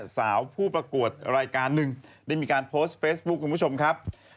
สาวผู้ประกวดรายการนึงได้ไปปัดโน้ทคุณผู้ชมครับ